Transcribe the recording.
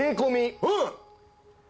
うん！